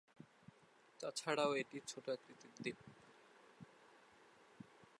তাছাড়াও এটি ছোট আকৃতির দ্বীপ।